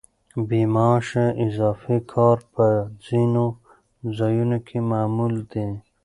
بې معاشه اضافي کار په ځینو ځایونو کې معمول دی.